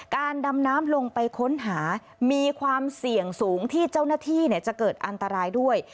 การดำน้ำลงไปค้นหามีความเสี่ยงสูงที่เจ้าหน้าที่จะเกิดอันตรายด้วย